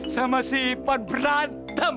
sama si ipan berantem